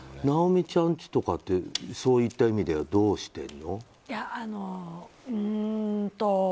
尚美ちゃんちとかはそういった意味ではどうしているの。